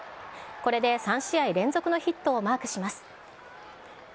これで、３試合連続のヒットをマークします。